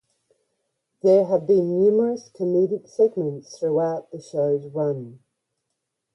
There have been numerous comedic segments throughout the show's run.